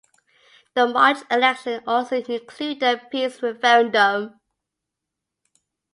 The March election also included a "peace referendum".